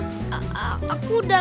iya tentu aku udah